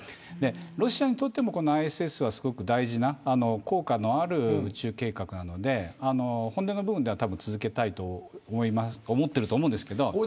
ロシアにとってもＩＳＳは大事な効果のある宇宙計画なので本音の部分では続けたいと思っていると思うんですけど。